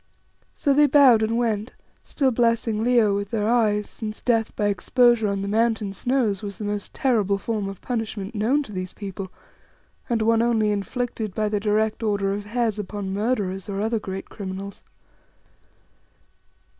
So they bowed and went, still blessing Leo with their eyes, since death by exposure on the Mountain snows was the most terrible form of punishment known to these people, and one only inflicted by the direct order of Hes upon murderers or other great criminals.